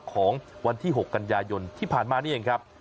ของวันที่๖กันยายนที่ผ่านมานี่เองครับ